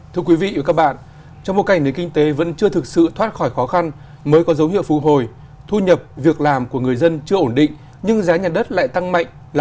thưa quý vị và các bạn trong một cảnh nền kinh tế vẫn chưa thực sự thoát khỏi khó khăn mới có dấu hiệu phù hồi thu nhập việc làm của người dân chưa ổn định nhưng giá nhà đất lại tăng mạnh